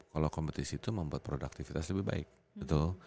kalau kompetisi itu membuat produktivitas lebih baik betul